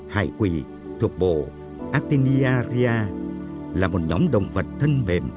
hải quỷ thuộc bộ atinia ria là một nhóm động vật thân mềm